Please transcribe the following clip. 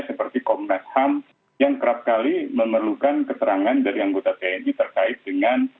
seperti komnas ham yang kerap kali memerlukan keterangan dari anggota tni terkait dengan